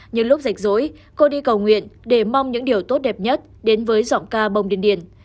những lúc rạch rối cô đi cầu nguyện để mong những điều tốt đẹp nhất đến với giọng ca bông điên điển